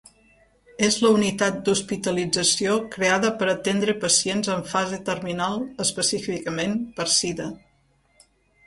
És la unitat d'hospitalització creada per atendre pacients en fase terminal específicament per sida.